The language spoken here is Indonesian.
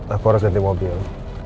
aku harus ganti mobil